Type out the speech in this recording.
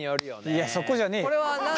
いやそこじゃねえよ。